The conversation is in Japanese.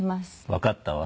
わかったわ。